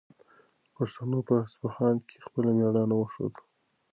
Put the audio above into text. پښتنو په اصفهان کې خپله مېړانه وښوده.